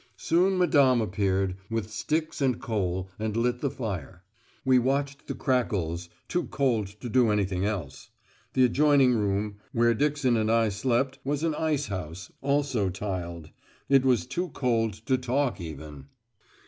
Soon Madame appeared, with sticks and coal, and lit the fire. We watched the crackles, too cold to do anything else. The adjoining room, where Dixon and I slept, was an ice house, also tiled. It was too cold to talk even.